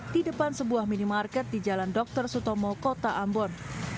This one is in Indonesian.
di depan sebuah minimarket di jalan dr sutomo kota ambon